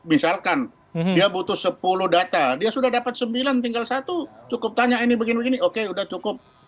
misalkan dia butuh sepuluh data dia sudah dapat sembilan tinggal satu cukup tanya ini begini begini oke sudah cukup